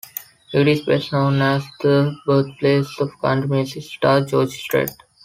It is best known as the birthplace of country music star, George Strait.